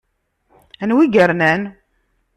Anwa i yernan?